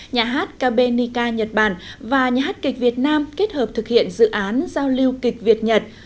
nhà hát cabinica nhật bản và nhà hát kịch việt nam kết hợp thực hiện dự án giao lưu kịch việt nhật